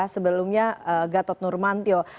sebelumnya gatot nurmantio